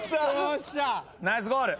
ナイスゴール。